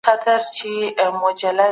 د ژمي په ورځو کي لمر ته کښېنئ.